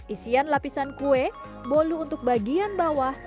isian lapisan kue bolu untuk bagian bawah